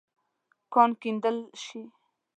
کان کیندل شې.